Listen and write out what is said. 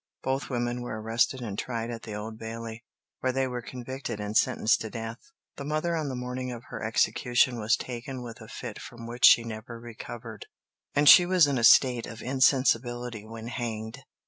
Both women were arrested and tried at the Old Bailey, where they were convicted and sentenced to death. The mother on the morning of her execution was taken with a fit from which she never recovered, and she was in a state of insensibility when hanged.